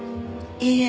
いいえ。